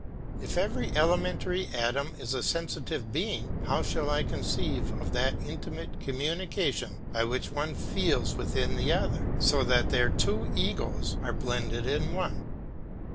If every elementary atom is a sensitive being, how shall I conceive of that intimate communication by which one feels within the other, so that their two egos are blended in one?